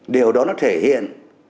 điều đó nó thể hiện